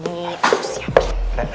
ini aku siapkan